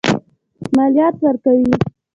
مالیات ورکوي.